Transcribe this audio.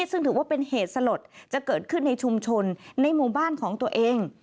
ซึ่งถือว่าเป็นเหตุสลดจะเกิดขึ้นในชุมชนในหมู่บ้านของตัวเอง